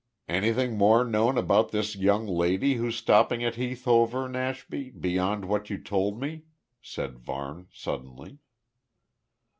"Anything more known about this young lady who's stopping at Heath Hover, Nashby, beyond what you told me?" said Varne suddenly.